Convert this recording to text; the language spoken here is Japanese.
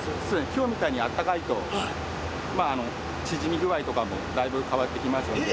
今日みたいに暖かいと縮み具合とかもだいぶ変わってきますので。